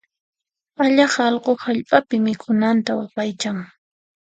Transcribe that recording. Allaq allqu hallp'api mikhunanta waqaychan.